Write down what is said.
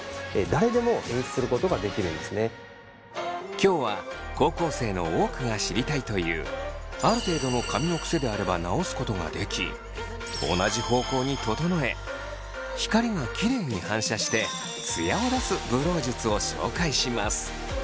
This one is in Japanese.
今日は高校生の多くが知りたいというある程度の髪のくせであれば直すことができ同じ方向に整え光がキレイに反射してツヤを出すブロー術を紹介します。